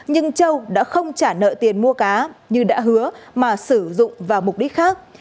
nhưng châu đã không trả nợ tiền mua cá như đã hứa mà sử dụng vào mục đích khác